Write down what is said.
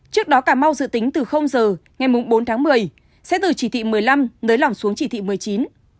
trước đó cà mau dự tính từ giờ ngày bốn tháng một mươi sẽ từ chỉ thị một mươi năm nới lỏng xuống chỉ thị một mươi chín